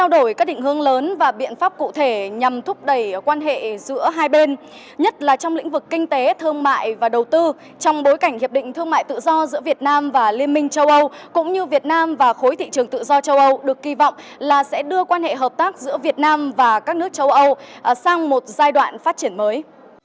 được kỳ vọng là sẽ đưa quan hệ hợp tác giữa việt nam và các nước châu âu sang một giai đoạn phát triển mới